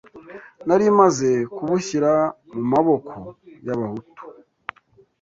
nari maze kubushyira mu maboko y’abahutu